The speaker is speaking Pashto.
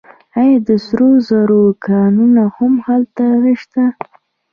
آیا د سرو زرو کانونه هم هلته نشته؟